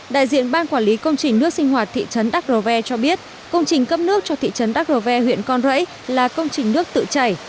đại diện ban quản lý công trình nước sinh hoạt thị trấn đắk rô ve cho biết công trình cấp nước cho thị trấn đắk rô ve huyện con rẫy là công trình nước tự chảy